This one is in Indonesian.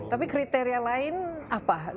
tapi kriteria lain apa